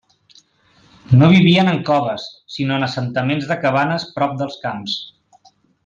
No vivien en coves sinó en assentaments de cabanes prop dels camps.